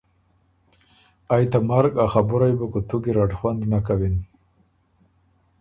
ائ ته مرګ ا خبُرئ بُو کُوتُو ګیرډ خوند نک کوِن۔